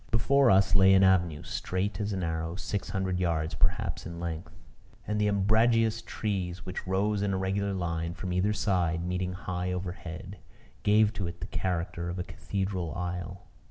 Before us lay an avenue, straight as an arrow, six hundred yards, perhaps, in length; and the umbrageous trees, which rose in a regular line from either side, meeting high overhead, gave to it the character of a cathedral aisle.